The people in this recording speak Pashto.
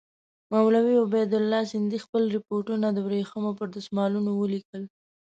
مولوي عبیدالله سندي خپل رپوټونه د ورېښمو پر دسمالونو ولیکل.